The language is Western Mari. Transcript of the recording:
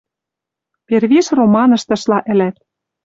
Первиш романыштышла ӹлӓт